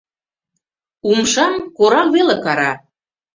Умшам корак веле кара.